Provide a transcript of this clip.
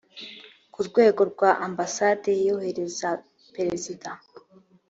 ku rwego rwa ambasade yoherereza perezida